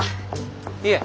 いえ。